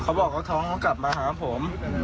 เธอบอกท้องกลับมาหาผม